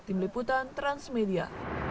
tim liputan transmedia